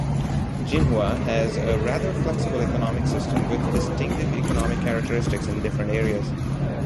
Jinhua has a rather flexible economic system with distinctive economic characteristics in different areas.